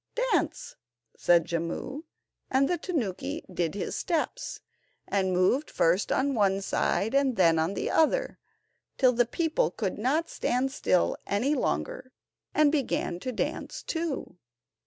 "Dance," said Jimmu, and the tanuki did his steps, and moved first on one side and then on the other, till the people could not stand still any longer, and began to dance too.